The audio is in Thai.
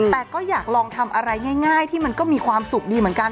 แต่ก็อยากลองทำอะไรง่ายที่มันก็มีความสุขดีเหมือนกัน